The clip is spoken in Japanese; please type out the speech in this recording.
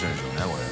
これ。